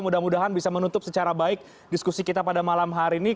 mudah mudahan bisa menutup secara baik diskusi kita pada malam hari ini